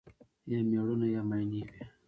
یا مېړونه یا ماينې وي